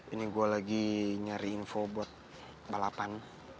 ini gue lagi nyari info buat balapan